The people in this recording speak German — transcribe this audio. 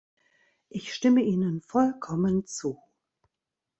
Ich stimme Ihnen vollkommen zu.